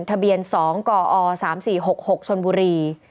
ทะเบียน๒กอ๓๔๖๖ชนบุรี